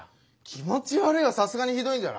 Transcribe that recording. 気持ち悪いはさすがにひどいんじゃない？